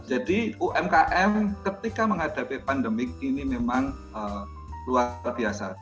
jadi umkm ketika menghadapi pandemi ini memang luar biasa